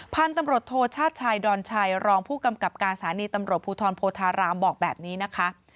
พันธุ์ตำรวจโทชาติชายดอนชัยรองผู้กำกับการสถานีตำรวจภูทรโพธารามบอกแบบนี้นะคะ